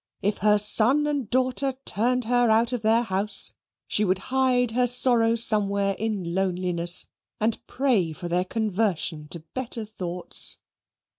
If her son and daughter turned her out of their house, she would hide her sorrows somewhere in loneliness and pray for their conversion to better thoughts.